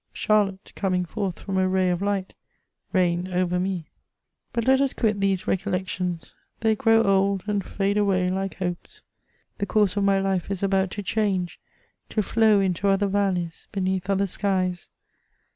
Charlotte, coming forth from a ray of light, reigned over me. But let us quit these recollections : they grow old and fade away like hopes. The course of my life is about to change, to flow into other valleys, beneath other skies.